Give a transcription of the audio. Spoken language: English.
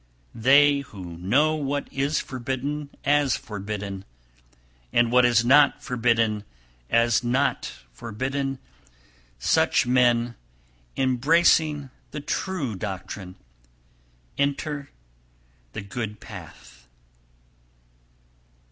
319. They who know what is forbidden as forbidden, and what is not forbidden as not forbidden, such men, embracing the true doctrine, enter the good path.